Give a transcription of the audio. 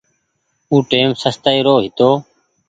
او ٽيم سستآئي رو هيتو۔